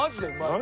何？